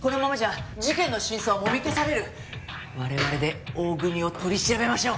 我々で大國を取り調べましょう！